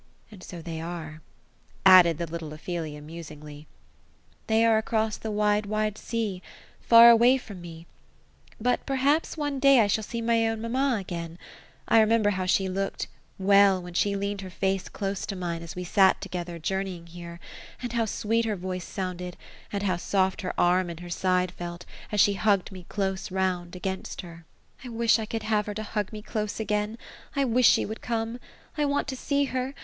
And so they are ;" added the little Ophelia, musingly. *^ They are across the wide, wide sea ; far away from me — ^but perhaps one day I shall see my own mamma again — I remember how she looked, well, when she leaned her face close to mine, as we sat together, journey ing here ; and how sweet her voice sounded, and how soft her arm and her side felt, as she hugged me close round, against her. I wish I could THE ROSE OF ELSINORE. 207 have her to hag me close again — I wish she would Xiome, I want to see her